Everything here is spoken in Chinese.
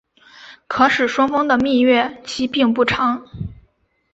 可使双方的蜜月期并不长。